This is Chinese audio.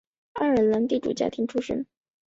爱尔兰地主家庭出身。